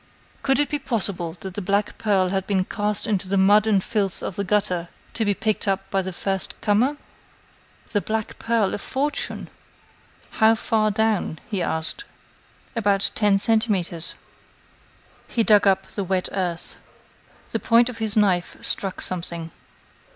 Could it be possible that the black pearl had been cast into the mud and filth of the gutter to be picked up by the first comer? The black pearl a fortune! "How far down?" he asked. "About ten centimetres." He dug up the wet earth. The point of his knife struck something.